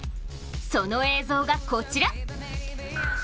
その映像がこちら。